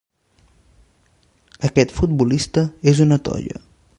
Aquest futbolista és una toia.